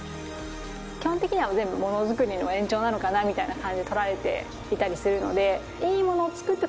基本的には全部モノづくりの延長なのかなみたいな感じにとらえていたりするので。